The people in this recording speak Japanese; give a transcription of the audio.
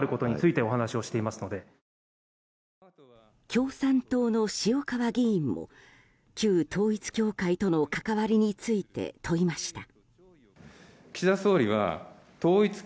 共産党の塩川議員も旧統一教会との関わりについて問いました。